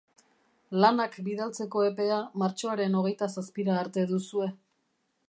Lanak bidaltzeko epea martxoaren hogeita zazpira arte duzue